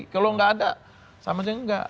kalau nggak ada sama saja enggak